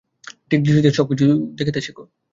ঠিক দৃষ্টিতে সব কিছু দেখিতে শেখ।